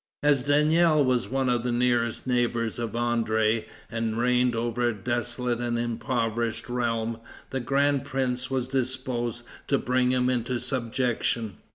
As Daniel was one of the nearest neighbors of André, and reigned over a desolate and impoverished realm, the grand prince was disposed to bring him into subjection.